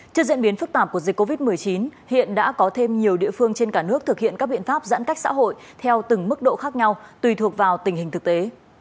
trước diễn biến phức tạp của dịch covid một mươi chín hiện đã có thêm nhiều địa phương trên cả nước thực hiện các biện pháp giãn cách xã hội theo từng mức độ khác nhau tùy thuộc vào tình hình thực tế